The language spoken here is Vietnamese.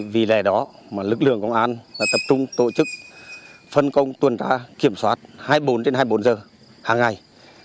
vì lẽ đó mà lực lượng công an tập trung tổ chức phân công tuần tra kiểm soát hai mươi bốn h hai mươi bốn h hàng ngày